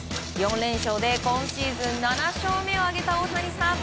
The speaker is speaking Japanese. ４連勝で今シーズン７勝目を挙げた大谷さん。